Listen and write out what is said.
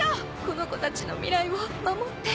この子たちの未来を守って。